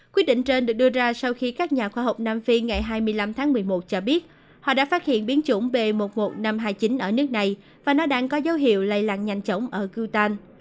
quyết định trên được đưa ra sau khi các nhà khoa học nam phi ngày hai mươi năm tháng một mươi một cho biết họ đã phát hiện biến chủng b một mươi một nghìn năm trăm hai mươi chín ở nước này và nó đang có dấu hiệu lây lan nhanh chóng ở kutan